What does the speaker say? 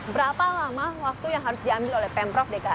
berapa lama waktu yang harus diambil oleh pemprov dki